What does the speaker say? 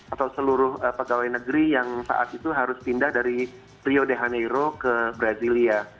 atau seluruh pegawai negeri yang saat itu harus pindah dari rio de janeiro ke brasilia